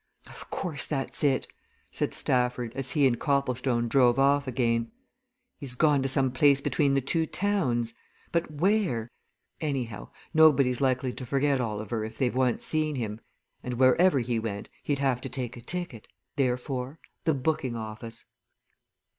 "Of course, that's it," said Stafford, as he and Copplestone drove off again. "He's gone to some place between the two towns. But where? Anyhow, nobody's likely to forget Oliver if they've once seen him, and wherever he went, he'd have to take a ticket. Therefore the booking office."